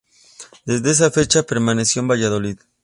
Desde esa fecha permaneció en Valladolid.